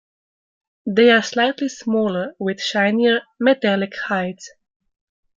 They are slightly smaller with shinier, metallic hides.